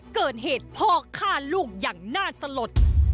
เกิดเหตุพ่อฆ่าลูกอย่างน่าสลด